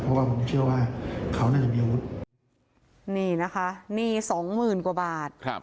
เพราะว่าผมเชื่อว่าเขาน่าจะมีอาวุธนี่นะคะหนี้สองหมื่นกว่าบาทครับ